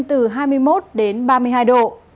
từ hai mươi một đến ba mươi hai độ